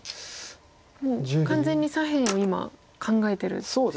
もう完全に左辺を今考えてるんですね。